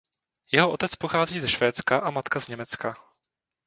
Jeho otec pochází ze Švédska a matka z Německa.